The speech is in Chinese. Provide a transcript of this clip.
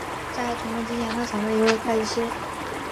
在从政之前他曾是一位会计师。